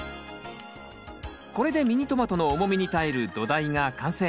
これでミニトマトの重みに耐える土台が完成。